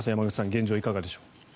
山口さん現状いかがでしょう。